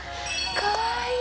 かわいい！